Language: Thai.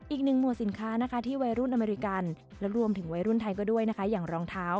อีกหนึ่งมัวสินค้าที่วัยรุ่นอเมริกันและรวมถึงวัยรุ่นไทยก็ด้วยอย่างรองเท้า